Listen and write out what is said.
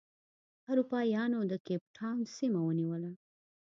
اروپا یانو د کیپ ټاون سیمه ونیوله.